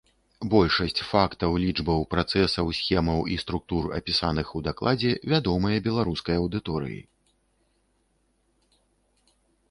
Большасць фактаў, лічбаў, працэсаў, схемаў і структур, апісаных у дакладзе, вядомая беларускай аўдыторыі.